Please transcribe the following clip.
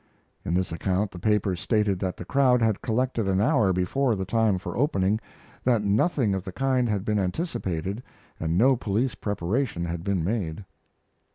In this account the paper stated that the crowd had collected an hour before the time for opening; that nothing of the kind had been anticipated and no police preparation had been made.